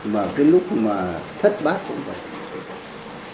và cái lúc mà thất bát cũng vậy